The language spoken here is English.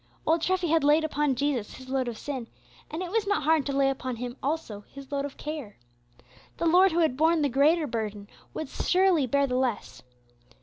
Old Treffy had laid upon Jesus his load of sin, and it was not hard to lay upon Him also his load of care. The Lord who had borne the greater burden would surely bear the less.